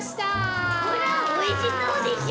ほらおいしそうでしょ？